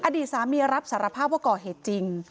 อดีตสามีรับสารภาพว่าก่อเหตุจริง